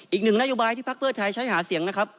อีกหนึ่งนโยบายที่พักเพื่อไทยใช้หาเสียงนะครับ